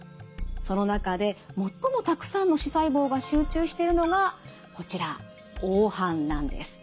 その中で最もたくさんの視細胞が集中してるのがこちら黄斑なんです。